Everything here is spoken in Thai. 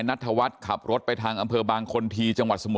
๕๗นาทีเมื่อวานนี้